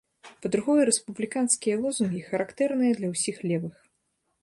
Па-другое, рэспубліканскія лозунгі характэрныя для ўсіх левых.